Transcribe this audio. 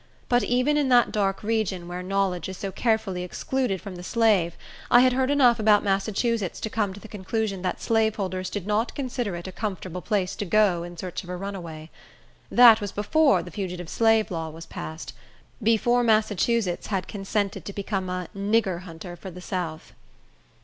But even in that dark region, where knowledge is so carefully excluded from the slave, I had heard enough about Massachusetts to come to the conclusion that slaveholders did not consider it a comfortable place to go in search of a runaway. That was before the Fugitive Slave Law was passed; before Massachusetts had consented to become a "nigger hunter" for the south.